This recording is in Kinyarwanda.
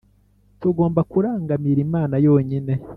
Tugomba kurangamira Imana yonyine